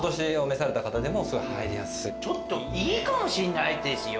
ちょっといいかもしんないですよ。